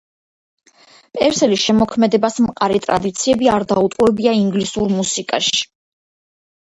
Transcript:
პერსელი შემოქმედებას მყარი ტრადიციები არ დაუტოვებია ინგლისურ მუსიკაში.